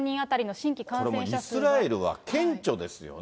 これもう、イスラエルは顕著ですよね。